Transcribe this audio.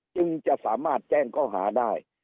จึงจะสามารถแจ้งเขาหาได้